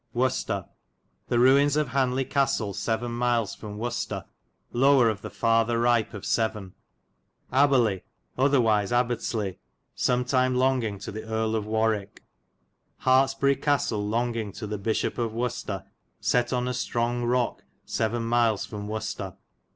Wicester. The ruines of Hanle*^ Castle vii. miles from Wiccester lower of the farthar rype of Severne. Aberle/ otherwise Abbatisle, somtyme longinge to the Erie of Warwike. Hartsbery Castle^ longinge to the Bysshope of Wicestar, fo. 113. set on a stronge roke vii. miles from Wicester.